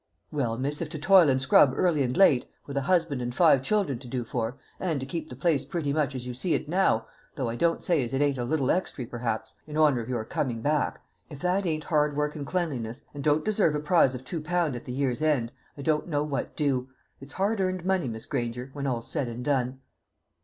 "Well, miss, if to toil and scrub early and late, with a husband and five children to do for, and to keep the place pretty much as you see it now, though I don't say as it ain't a little extry perhaps, in honour of your coming back if that ain't hard work and cleanliness, and don't deserve a prize of two pound at the year's end, I don't know what do. It's hard earned money, Miss Granger, when all's said and done."